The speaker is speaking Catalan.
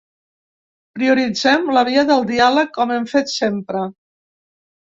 Prioritzem la via del diàleg, com hem fet sempre.